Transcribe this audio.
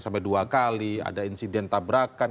sampai dua kali ada insiden tabrakan